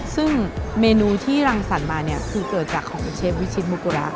ซึ่งเมนูที่รังสรรค์มาเนี่ยคือเกิดจากของเชฟวิชิตมุกุระ